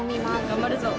頑張るぞ。